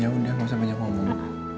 ya udah gak usah banyak ngomong